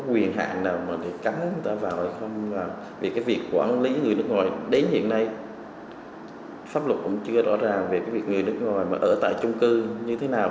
vì cái việc quản lý người nước ngoài đến hiện nay pháp luật cũng chưa rõ ràng về cái việc người nước ngoài mà ở tại chung cư như thế nào